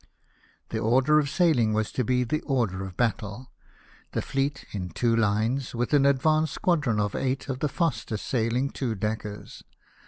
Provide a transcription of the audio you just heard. The order of saihng was to be the order of battle : the fleet in two hnes, with an advance squadron of eight of the fastest sailing two deckers.